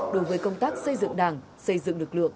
đối với công tác xây dựng đảng xây dựng lực lượng